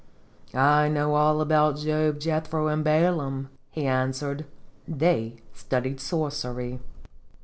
44 "I know all about Job, Jethro, and Balaam," he answered; " they studied sorcery."